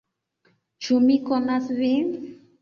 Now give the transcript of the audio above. Ĉu mi konas vin?